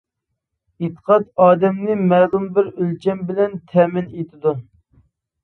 ئېتىقاد ئادەمنى مەلۇم بىر ئۆلچەم بىلەن تەمىن ئېتىدۇ.